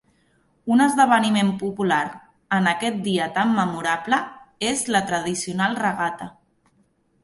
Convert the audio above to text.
Un esdeveniment popular en aquest dia tan memorable és la tradicional regata.